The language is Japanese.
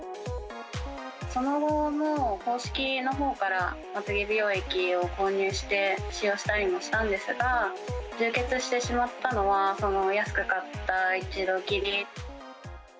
その後も公式のほうから、まつ毛美容液を購入して、使用したりもしたんですが、充血してしまったのは、その安く買った一度きり。